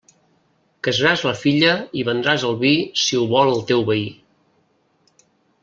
Casaràs la filla i vendràs el vi si ho vol el teu veí.